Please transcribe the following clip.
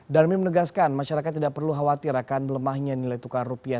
dan memnegaskan masyarakat tidak perlu khawatir akan melemahnya nilai tukar rupiah